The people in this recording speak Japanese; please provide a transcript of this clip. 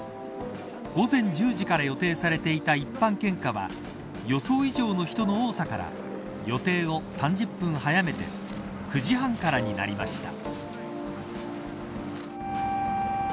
午前１０時から予定されていた一般献花は予想以上の人の多さから予定を３０分早めて９時半からになりました。